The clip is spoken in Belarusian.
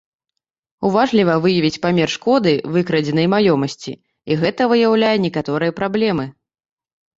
Уважліва выявіць памер шкоды выкрадзенай маёмасці, і гэта выяўляе некаторыя праблемы.